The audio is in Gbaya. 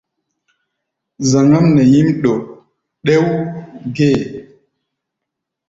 Zaŋ-ám nɛ nyím ɗo ɗɛ̧́ú̧ gée.